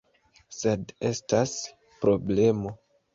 Sed estas... problemo: